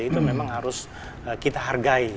itu memang harus kita hargai